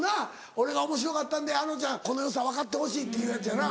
「俺がおもしろかったんであのちゃんこの良さ分かってほしい」っていうやつやな。